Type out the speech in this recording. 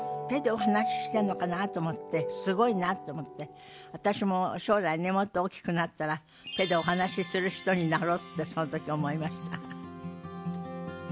手でお話ししてんのかなと思ってすごいなと思って私も将来ねもっと大きくなったら手でお話しする人になろうってその時思いました。